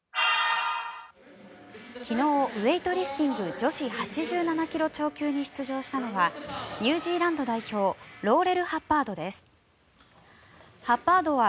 昨日ウエイトリフティング女子７８ｋｇ超級に出場したのはニュージーランド代表ローレル・ハッバードです。